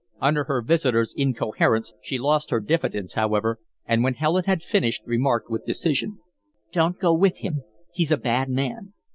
Under her visitor's incoherence she lost her diffidence, however, and, when Helen had finished, remarked, with decision: "Don't go with him. He's a bad man."